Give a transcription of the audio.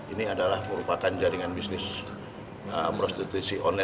ini adalah merupakan jaringan bisnis prostitusi online